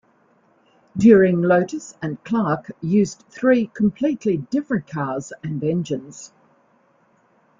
During Lotus and Clark used three completely different cars and engines.